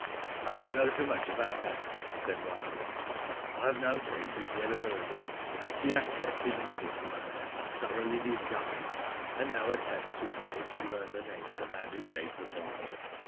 " I don't know so much about that," said Wide Awake. *' I have known cases where the murderer actually accepted money from a man thoroughly disguised, and no attempt was made to learn the name of the man who gave the bribe."